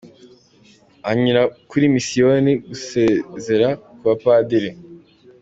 Anyura kuri Misiyoni gusezera ku bapadiri.